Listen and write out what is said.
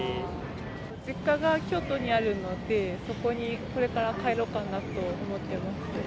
実家が京都にあるので、そこにこれから帰ろうかなと思ってまして。